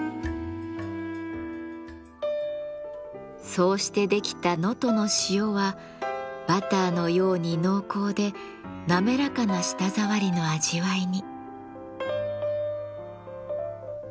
そうして出来た能登の塩はバターのように濃厚でなめらかな舌触りの味わいに。